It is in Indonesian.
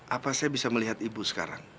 apa saya bisa melihat ibu sekarang